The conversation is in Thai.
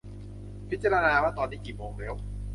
พิจารณาว่าตอนนี้กี่โมงแล้ว